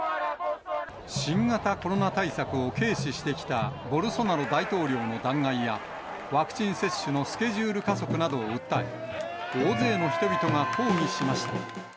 新型コロナ対策を軽視してきたボルソナロ大統領の弾劾や、ワクチン接種のスケジュール加速などを訴え、大勢の人々が抗議しました。